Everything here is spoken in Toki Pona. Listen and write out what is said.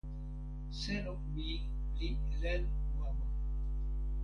selo mi li len wawa.